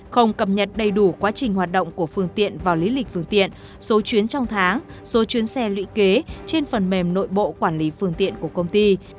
không cập nhật đầy đủ quá trình hoạt động của phương tiện vào lý lịch phương tiện số chuyến trong tháng số chuyến xe lũy kế trên phần mềm nội bộ quản lý phương tiện của công ty